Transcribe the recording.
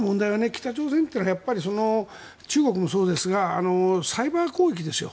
北朝鮮っていうのは中国もそうですがサイバー攻撃ですよ。